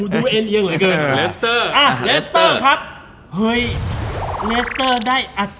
ดูเอ็นเยี่ยมเหรอเกิน